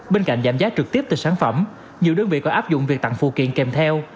bên cạnh giảm giá trực tiếp từ sản phẩm nhiều đơn vị còn áp dụng việc tặng phụ kiện kèm theo